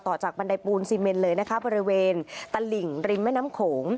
จากบันไดปูนซีเมนเลยนะคะบริเวณตลิ่งริมแม่น้ำโขง